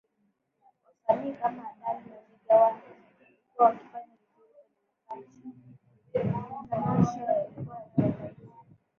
Wasanii Kama adili na Nigga one walikuwa wakifanya vizuri kwenye matamasha yalikuwa yakiandaliwa